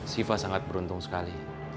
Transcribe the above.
sifat sangat beruntung sekali